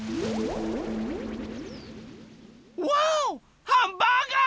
わおハンバーガー！